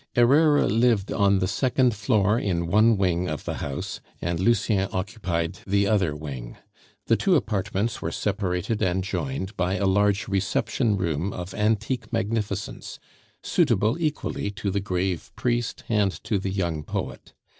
Herrera lived on the second floor in one wing of the house, and Lucien occupied the other wing. The two apartments were separated and joined by a large reception room of antique magnificence, suitable equally to the grave priest and to the young poet.